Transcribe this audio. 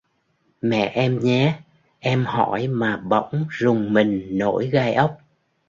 Mẹ em nhé Em hỏi mà bỗng rùng mình nổi gai ốc